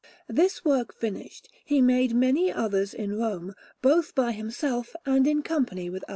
This work finished, he made many others in Rome, both by himself and in company with others.